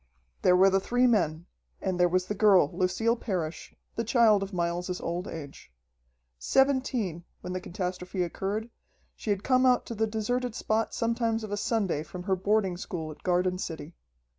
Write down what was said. There were the three men and there was the girl, Lucille Parrish, the child of Miles's old age. Seventeen, when the catastrophe occurred, she had come out to the deserted spot sometimes of a Sunday from her boarding school at Garden City.